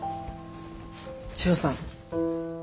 千代さん。